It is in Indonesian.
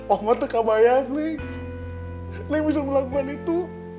ahmad kebayang nih hai lebih melakukan itu